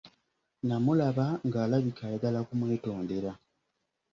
Namulaba ng'alabika ayagala kumwetondera.